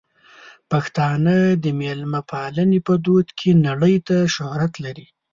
پښتانه د مېلمه پالنې په دود کې نړۍ ته شهرت لري.